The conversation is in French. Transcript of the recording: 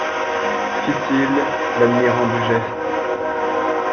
Fit-il, l'admirant du geste.